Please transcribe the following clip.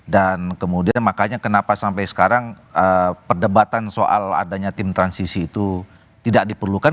dan kemudian makanya kenapa sampai sekarang perdebatan soal adanya tim transisi itu tidak diperlukan